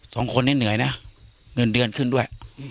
สองคนนี้เหนื่อยนะเงินเดือนขึ้นด้วย